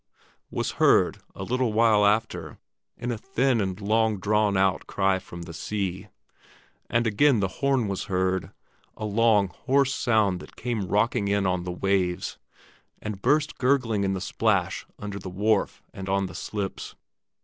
was heard a little while after in a thin and long drawn out cry from the sea; and again the horn was heard, a long, hoarse sound that came rocking in on the waves, and burst gurgling in the splash under the wharf and on the slips.